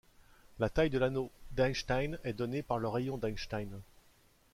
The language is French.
La taille de l'anneau d'Einstein est donnée par le rayon d'Einstein.